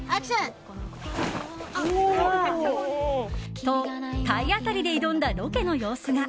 と、体当たりで挑んだロケの様子が。